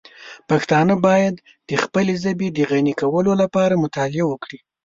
پښتانه باید د خپلې ژبې د غني کولو لپاره مطالعه وکړي.